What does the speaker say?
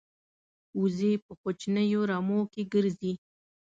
وزې په کوچنیو رمو کې ګرځي